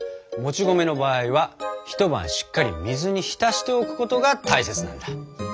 もち米の場合は一晩しっかり水に浸しておくことが大切なんだ。